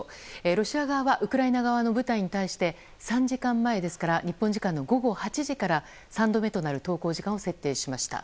ロシア側はウクライナ側の部隊に対して３時間前ですから日本時間の午後８時から３度目となる投降時間を設定しました。